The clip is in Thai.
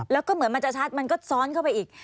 แล้วก็เหมือนมันจะชัดมันก็ซ้อนเข้าไปอีก